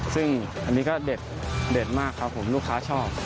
ซึ่งอันนี้ก็เด็ดมากครับผมลูกค้าชอบ